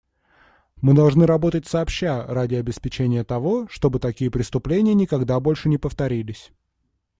Мы должны работать сообща ради обеспечения того, чтобы такие преступления никогда больше не повторились.